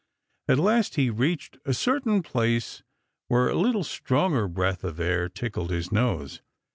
At last he reached a certain place where a little stronger breath of air tickled his nose.